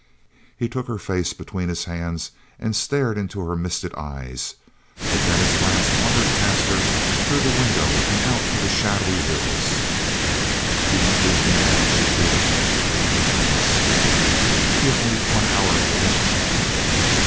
He took her face between his hands, and stared into her misted eyes, but then his glance wandered past her, through the window, out to the shadowy hills. "You won't leave me now?" she pleaded. "I must!" "Give me one hour more!"